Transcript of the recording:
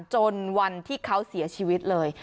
จนวันที่เขาเสียชีวิตเลย